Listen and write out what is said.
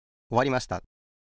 おわりました。